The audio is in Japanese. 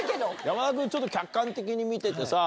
山田君ちょっと客観的に見ててさ